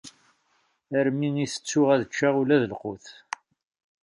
Armi i ttettuɣ ad ččeɣ ula d lqut!